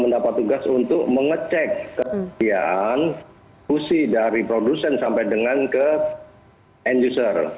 mendapat tugas untuk mengecek kesediaan pusi dari produsen sampai dengan ke end user